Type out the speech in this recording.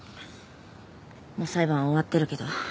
もう裁判は終わってるけど。